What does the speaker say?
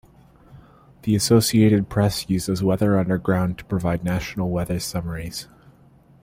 The Associated Press uses Weather Underground to provide national weather summaries.